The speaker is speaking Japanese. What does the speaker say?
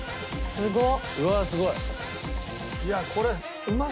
すごっ！